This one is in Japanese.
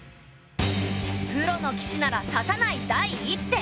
プロの棋士なら指さない第１手。